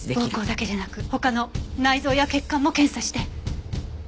膀胱だけじゃなく他の内臓や血管も検査して。